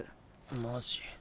マジ？